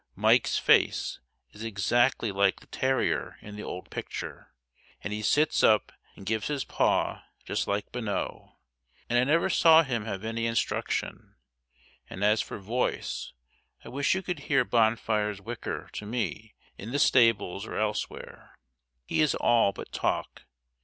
Mike's face is exactly like the terrier in the old picture, and he sits up and gives his paw just like Bonneau, and I never saw him have any instruction; and as for voice, I wish you could hear Bonfire's "whicker" to me in the stable or elsewhere. It is all but talk.